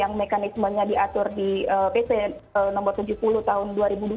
yang mekanismenya diatur di pp no tujuh puluh tahun dua ribu dua puluh